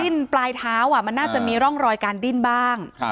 ปลายเท้ามันน่าจะมีร่องรอยการดิ้นบ้าง